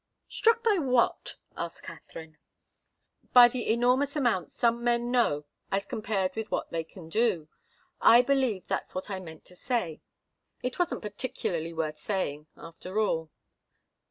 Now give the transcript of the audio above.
"Struck by what?" asked Katharine. "By the enormous amount some men know as compared with what they can do. I believe that's what I meant to say. It wasn't particularly worth saying, after all.